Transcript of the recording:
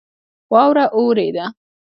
واوره اوورېده